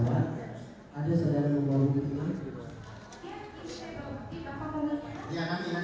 dia akan diambil oleh penuntut umum di bawah depan sini